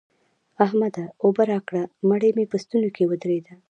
احمده! اوبه راکړه؛ مړۍ مې په ستونې ودرېده.